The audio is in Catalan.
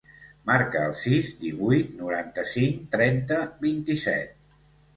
Marca el sis, divuit, noranta-cinc, trenta, vint-i-set.